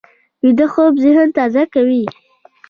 ویده خوب ذهن تازه کوي